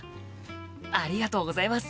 ありがとうございます！